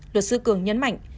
luật sư cường nhấn mạnh